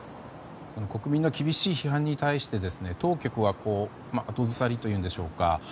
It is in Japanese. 国民の厳しい批判に対し当局は後ずさりというんでしょうか